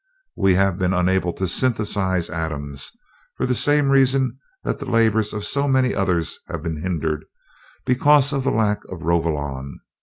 We have been unable to synthesize atoms, for the same reason that the labors of so many others have been hindered because of the lack of Rovolon.